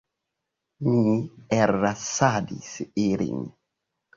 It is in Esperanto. Mi ellasadis ilin.